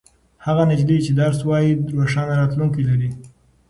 هغه نجلۍ چې درس وايي روښانه راتلونکې لري.